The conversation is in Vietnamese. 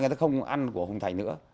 người ta không ăn của hùng thành nữa